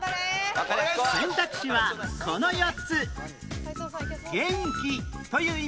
選択肢はこの４つ